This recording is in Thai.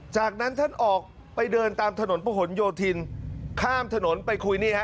จากนั้นท่านออกไปเดินตามถนนประหลโยธินข้ามถนนไปคุยนี่ฮะ